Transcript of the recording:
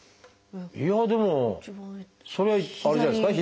いやでもそれあれじゃないですか？